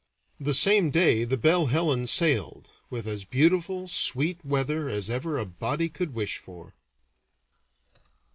The same day the Belle Helen sailed, with as beautiful, sweet weather as ever a body could wish for.